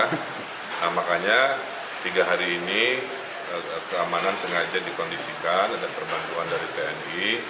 nah makanya tiga hari ini keamanan sengaja dikondisikan dan perbantuan dari tni